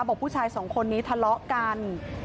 บอกผู้ชายสองคนนี้ทะเลาะกัน